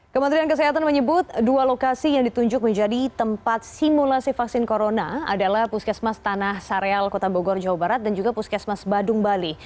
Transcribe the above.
kementerian kesehatan menyebut dua lokasi yang ditunjuk menjadi tempat simulasi vaksin corona adalah puskesmas tanah sareal kota bogor jawa barat dan juga puskesmas badung bali